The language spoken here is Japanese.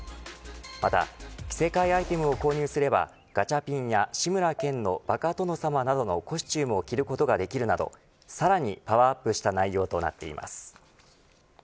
また着せ替えアイテムを購入すればガチャピンや志村けんのバカ殿様などのコスチュームを着ることができるなどさらにパワーアップした内容となっています。